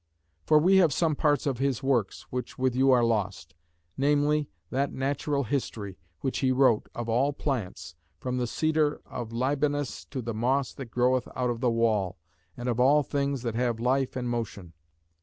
For we have some parts of his works, which with you are lost; namely, that natural history, which he wrote, of all plants, from the cedar of Libanus to the moss that groweth out of the wall, and of all things that have life and motion.